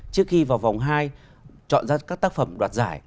trước khi vào vòng hai chọn ra các tác phẩm đoạt giải